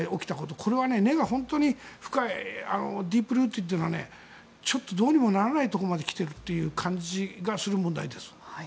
これは根が本当に深いディープルーティッドっていうのはちょっとどうにもならないところまで来ているという感じがする問題です。